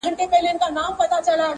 • د زړگي غوښي مي د شپې خوراك وي.